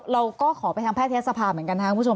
เราก็ขอไปทางแพทยศภาเหมือนกันนะครับคุณผู้ชม